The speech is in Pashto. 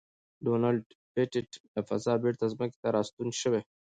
ډونلډ پېټټ له فضا بېرته ځمکې ته راستون شوی.